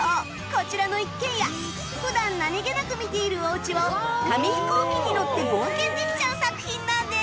こちらの一軒家普段何げなく見ているお家を紙飛行機に乗って冒険できちゃう作品なんです